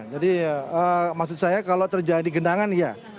jadi maksud saya kalau terjadi gendangan iya